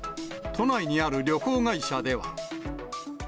都内にある旅行会社では。